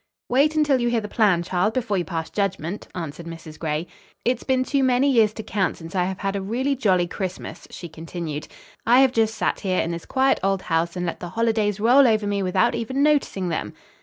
"Wait until you hear the plan, child, before you pass judgment," answered Mrs. Gray. "It's been too many years to count since I have had a really, jolly Christmas," she continued. "I have just sat here in this quiet old house, and let the holidays roll over me without even noticing them."